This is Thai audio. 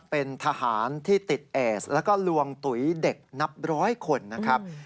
เป็นทหารที่ติดเอสแล้วก็ลวงตุ๋ยเด็กนับร้อยคนนะครับ